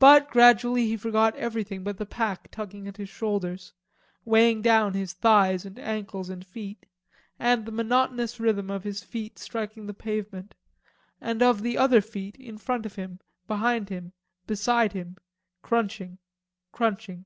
But gradually he forgot everything but the pack tugging at his shoulders, weighing down his thighs and ankles and feet, and the monotonous rhythm of his feet striking the pavement and of the other feet, in front of him, behind him, beside him, crunching, crunching.